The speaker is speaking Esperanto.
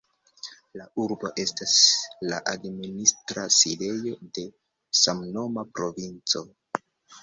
La urbo estas la administra sidejo de samnoma provinco.